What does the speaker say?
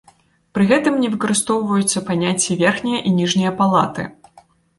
Пры гэтым не выкарыстоўваюцца паняцці верхняя і ніжняя палаты.